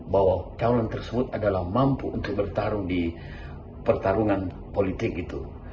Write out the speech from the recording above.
bahwa calon tersebut adalah mampu untuk bertarung di pertarungan politik itu